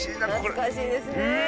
懐かしいですね。